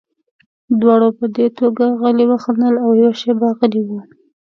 دواړو په دې ټوکه غلي وخندل او یوه شېبه غلي وو